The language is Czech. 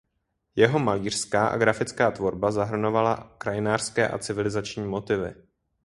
Jeho malířská a grafická tvorba zahrnovala krajinářské a civilizační motivy.